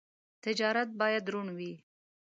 تجارت باید روڼ وي.